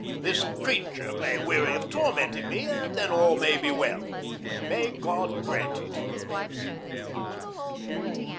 This creature may weary of tormenting me, and then all may yet be well. May God grant it!